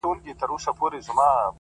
چي سُجده پکي!! نور په ولاړه کيږي!!